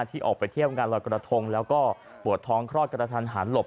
ที่ออกไปเที่ยวงานลอยกระทงแล้วก็ปวดท้องคลอดกระทันหันหลบ